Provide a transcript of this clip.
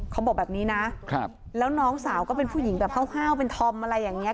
เขาบอกแบบนี้นะแล้วน้องสาวก็เป็นผู้หญิงแบบห้าวเป็นธอมอะไรอย่างนี้